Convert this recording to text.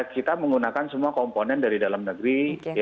kita menggunakan semua komponen dari dalam negeri